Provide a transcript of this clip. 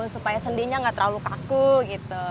supaya sendinya nggak terlalu kaku gitu